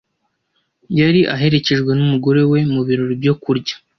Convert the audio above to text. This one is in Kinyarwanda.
Yari aherekejwe n’umugore we mu birori byo kurya.